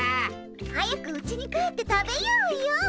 早くうちに帰って食べようよ。